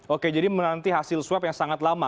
oke jadi menanti hasil swab yang sangat lama